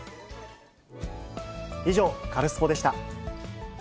以上、カルスポっ！でした。